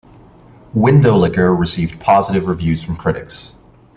"Windowlicker" received positive reviews from critics.